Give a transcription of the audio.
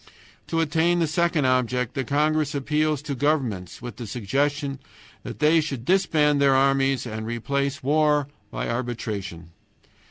To attain the second object the congress appeals to governments with the suggestion that they should disband their armies and replace war by arbitration.